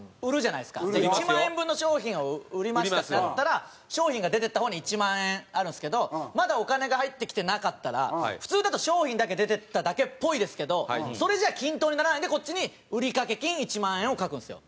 １万円分の商品を売りましたってなったら商品が出ていった方に１万円あるんですけどまだお金が入ってきてなかったら普通だと商品だけ出ていっただけっぽいですけどそれじゃあ均等にならないんでこっちに売掛金１万円を書くんですよ。